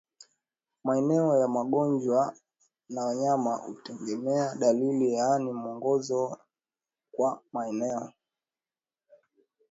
maeneo ya Magonjwa ya Wanyama unaotegemea Dalili yaani mwongozo kwa maeneo